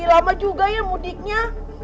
lama juga ya mudiknya